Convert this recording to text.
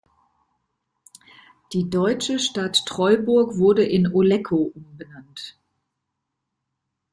Die deutsche Stadt Treuburg wurde in "Olecko" umbenannt.